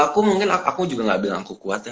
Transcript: aku mungkin aku juga gak bilang aku kuat ya